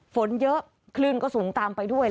ฝนเยอะคลื่นก็สูงตามไปด้วย